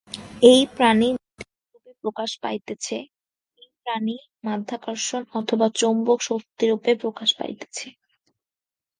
এই প্রাণই গতিরূপে প্রকাশ পাইতেছে, এই প্রাণই মাধ্যাকর্ষণ অথবা চৌম্বক শক্তিরূপে প্রকাশ পাইতেছে।